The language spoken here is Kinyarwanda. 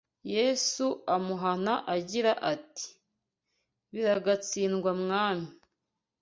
Yesu amuhana agira ati: “Biragatsindwa Mwami